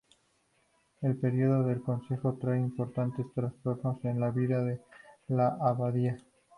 El período del consejo trae importantes trastornos en la vida de la abadía.